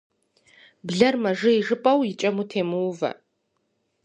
Блэр мэжей жыпӏэу и кӏэм утемыувэ.